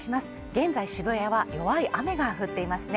現在、渋谷は弱い雨が降っていますね